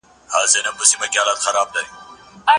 که سرچینې نه وي، پایله به غلطه وي.